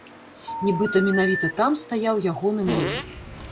Нібыта менавіта там стаяў ягоны млын.